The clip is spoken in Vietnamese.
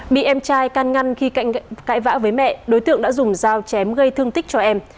bị em trai can ngăn khi cạnh cãi vã với mẹ đối tượng đã dùng dao chém gây thương tích cho em